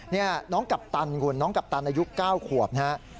นี่น้องกัปตันคุณน้องกัปตันอายุ๙ขวบนะฮะ